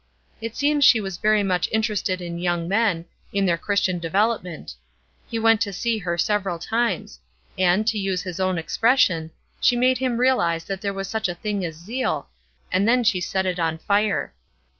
It seems she was very much interested in young men, in their Christian development. He went to see her several times; and, to use his own expression, she first made him realize that there was such a thing as zeal, and then she set it on fire.